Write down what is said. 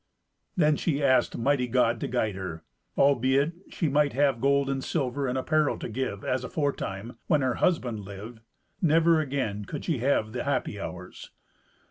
Then she asked mighty God to guide her. Albeit she might have gold and silver and apparel to give, as aforetime, when her husband lived, never again could she have the happy hours.